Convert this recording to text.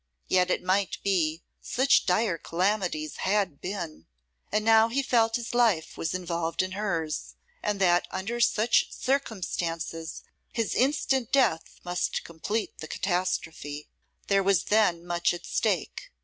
Yet it might be; such dire calamities had been. And now he felt his life was involved in hers, and that under such circumstances his instant death must complete the catastrophe. There was then much at stake.